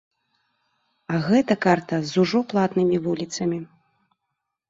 А гэта карта з ужо платнымі вуліцамі.